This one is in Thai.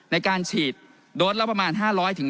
ในการฉีดโดดละประมาณ๕๐๐ถึง๑๐๐๐